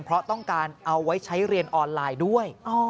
เพราะต้องการเอาไว้ใช้เรียนออนไลน์ด้วย